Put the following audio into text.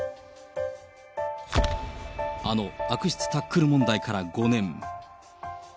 あの悪質タックル問題から５年。